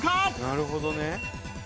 なるほどね。